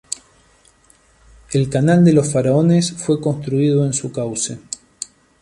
El Canal de los faraones fue construido en su cauce.